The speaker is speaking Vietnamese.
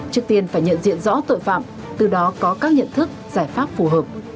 trước tiên phải nhận diện rõ tội phạm từ đó có các nhận thức giải pháp phù hợp